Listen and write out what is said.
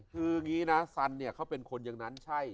คืออย่างนี้นะสันเนี่ยเขาเป็นคนอย่างนั้นใช่